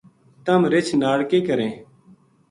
تم رچھ ناڑ کے کریں